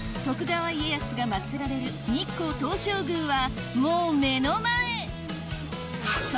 徳川家康が祭られる日光東照宮はもう目の前！